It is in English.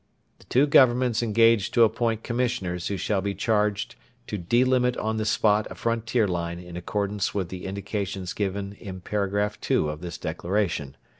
The two Governments engage to appoint Commissioners who shall be charged to delimit on the spot a frontier line in accordance with the indications given in paragraph 2 of this Declaration.